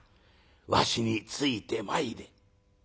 わしについてまいれ」。